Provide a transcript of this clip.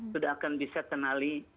sudah akan bisa kenali